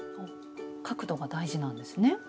角度が大事なんですね。